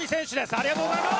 ありがとうございます！